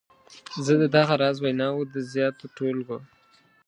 زه د دغه راز ویناوو د زیاتو ټولګو.